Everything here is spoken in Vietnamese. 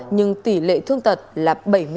nhưng tỷ lệ thương tật là bảy mươi hai